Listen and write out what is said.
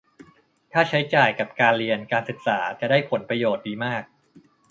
ถ้าใช้จ่ายกับการเรียนการศึกษาจะได้ผลประโยชน์ดีมาก